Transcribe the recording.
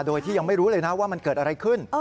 โดยที่ยังไม่รู้เลยนะว่ามันเกิดอะไรขึ้น